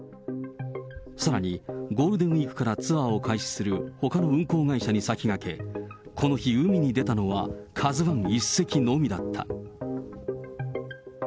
さらに、ゴールデンウィークからツアーを開始する、ほかの運航会社に先駆け、この日、海に出たのはカズワン一隻のみだった。